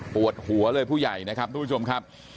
ปวดหัวเลยผู้ใหญ่นะครับทุกผู้ชมครับ